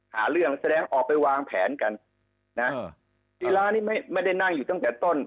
หาเรื่องแสดงออกไปวางแผนกันนะที่ร้านนี้ไม่ได้นั่งอยู่ตั้งแต่ต้น